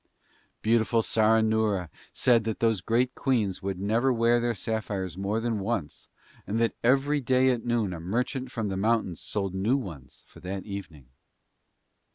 Beautiful Saranoora said that those great queens would never wear their sapphires more than once and that every day at noon a merchant from the mountains sold new ones for that evening.